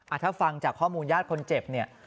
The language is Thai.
ถ้าฟังจากข้อมูลญาติคนเจ็บเนี่ย